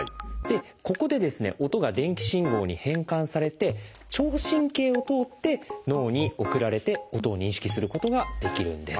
ここで音が電気信号に変換されて聴神経を通って脳に送られて音を認識することができるんです。